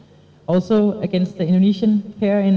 juga melawan perempuan indonesia di final